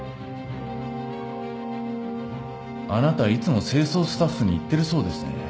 あなたいつも清掃スタッフに言ってるそうですね。